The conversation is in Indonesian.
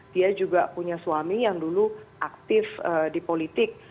dia juga punya suami yang dulu aktif di politik